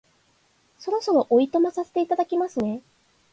そろそろお暇させていただきますね